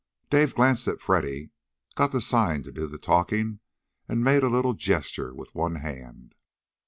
Dave glanced at Freddy, got the sign to do the talking, and made a little gesture with one hand.